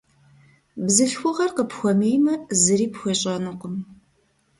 Бзылъхугъэр къыпхуэмеймэ, зыри пхуещӏэнукъым.